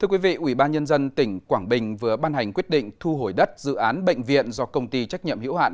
ubnd tỉnh quảng bình vừa ban hành quyết định thu hồi đất dự án bệnh viện do công ty trách nhiệm hữu hạn